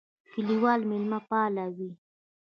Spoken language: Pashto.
کلیوال مېلمهپاله وي.